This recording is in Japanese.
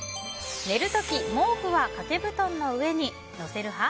寝るとき、毛布は掛け布団の上にのせる派？